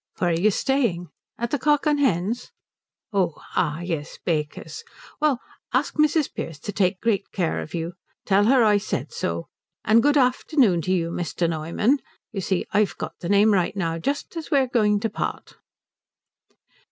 Where are you staying? At the Cock and Hens? Oh ah yes at Baker's. Well, ask Mrs. Pearce to take great care of you. Tell her I said so. And good afternoon to you, Mr. Noyman. You see I've got the name right now just as we're going to part."